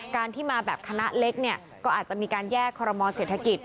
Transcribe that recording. การที่มาแบบคณะเล็กเนี่ยก็อาจจะมีการแยกคอรมอเศรษฐกิจ